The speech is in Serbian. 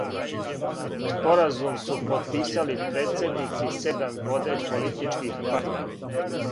Споразум су потписали председници седам водећих политичких партија.